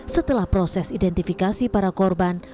setelah proses identifikasi para korban